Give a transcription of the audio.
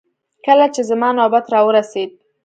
کله چې زما نوبت راورسېد.